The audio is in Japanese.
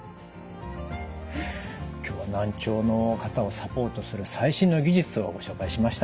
今日は難聴の方をサポートする最新の技術をご紹介しました。